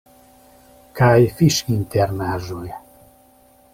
Kaj fiŝinternaĵoj!